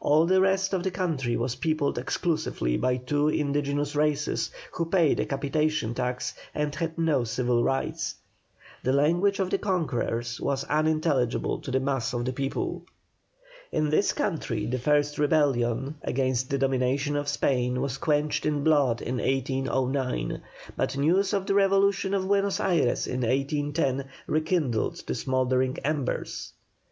All the rest of the country was peopled exclusively by two indigenous races, who paid a capitation tax, and had no civil rights. The language of the conquerors was unintelligible to the mass of the people. In this country the first rebellion against the domination of Spain was quenched in blood in 1809, but news of the revolution of Buenos Ayres in 1810 rekindled the smouldering embers.